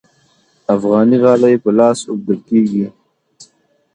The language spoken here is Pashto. افغاني غالۍ په لاس اوبدل کیږي